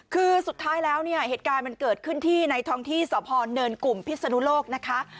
คือสุดท้ายแล้วเนี่ยเหตุการณ์มันเกิดขึ้นที่ในท้องที่สพเนินกลุ่มพิศนุโลกนะคะ